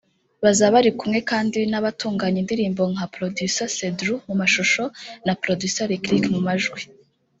Bazaba bari kumwe kandi n’abatunganya indirimbo nka Producer Cedru (mu mashusho) na Producer Lick Lick (mu majwi)